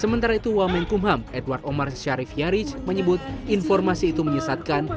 sementara itu wamen kumham edward omar syarif yarij menyebut informasi itu menyesatkan